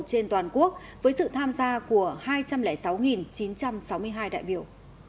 trên toàn quốc với sự tham gia của hai trăm linh sáu chín trăm sáu mươi hai đại biểu